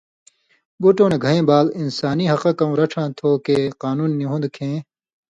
بُٹؤں نہ گَھیں بال انسانی حقہ کؤں رڇھا تُھو کہ قانون نی ہُوۡن٘د کھیں۔